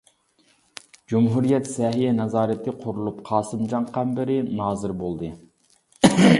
جۇمھۇرىيەت سەھىيە نازارىتى قۇرۇلۇپ قاسىمجان قەمبىرى نازىر بولدى.